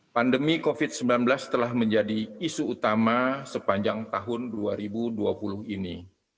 pandemi covid sembilan belas telah menjadi isu utama sepanjang tahun dua ribu dua puluh ini